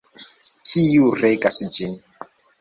Kiu regas ĝin?